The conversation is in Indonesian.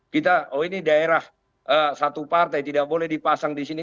kita oh ini daerah satu partai tidak boleh dipasang di sini